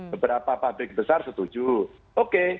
beberapa pabrik besar setuju oke